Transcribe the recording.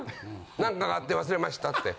何とかがあって忘れましたって。